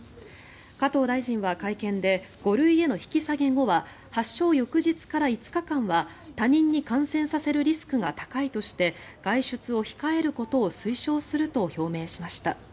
加藤大臣は会見で５類への引き下げ後は発症翌日から５日間は他人に感染させるリスクが高いとして外出を控えることを推奨すると表明しました。